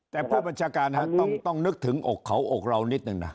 แต่ผู้บัญชาการต้องนึกถึงอกเขาอกเรานิดนึงนะ